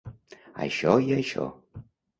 Això i això.